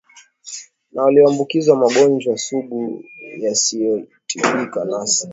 na walioambukizwa magonjwa sugu yasiotibika nasi